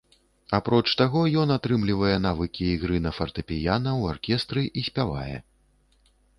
Апроч таго ён атрымлівае навыкі ігры на фартэпіяна, у аркестры і спявае.